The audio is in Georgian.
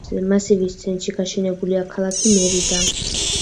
მასივის ცენტრში გაშენებულია ქალაქი მერიდა.